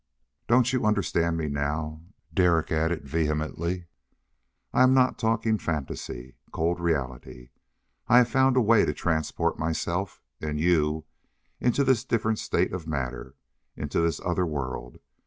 "Don't you understand me now?" Derek added vehemently. "I'm not talking fantasy. Cold reality! I've found a way to transport myself and you into this different state of matter, into this other world!